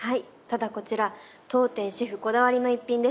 ただこちら当店シェフこだわりの逸品です。